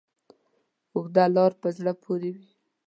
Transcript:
اوږده لاره په زړه پورې وي.